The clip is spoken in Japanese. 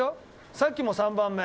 さっきも３番目。